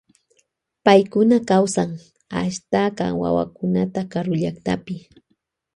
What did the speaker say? Paykuna kawsan ashtaka watakunata karu llaktapi.